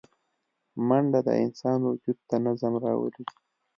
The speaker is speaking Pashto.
منډه د انسان وجود ته نظم راولي